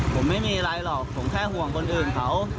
ผมไม่มีอะไรหรอกผมแค่ห่วงคนอื่นเขา